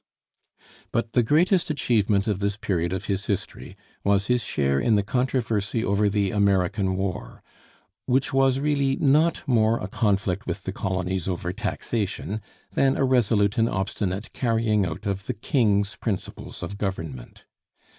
But the greatest achievement of this period of his history was his share in the controversy over the American War, which was really not more a conflict with the colonies over taxation, than a resolute and obstinate carrying out of the King's principles of government.